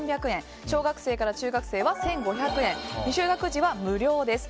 小学生から中学生は１５００円未就学児は無料です。